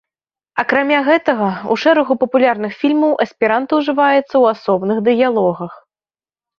Акрамя гэтага, у шэрагу папулярных фільмаў эсперанта ужываецца ў асобных дыялогах.